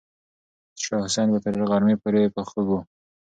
شاه حسین به تر غرمې پورې په خوب و.